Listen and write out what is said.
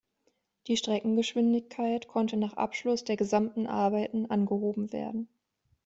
Die Streckengeschwindigkeit konnte nach Abschluss der gesamten Arbeiten angehoben werden.